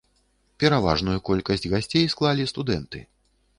Пераважную колькасць гасцей складалі студэнты.